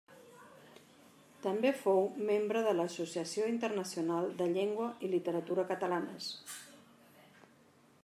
També fou membre de l'Associació Internacional de Llengua i Literatura Catalanes.